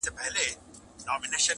ورته ګوري به وارونه د لرګیو!!